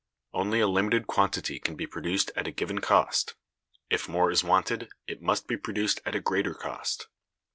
Only a limited quantity can be produced at a given cost; if more is wanted, it must be produced at a greater cost.